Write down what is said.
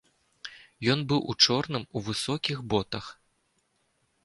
Ён быў у чорным, у высокіх ботах.